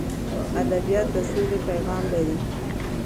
ادبیات د سولې پیغام لري.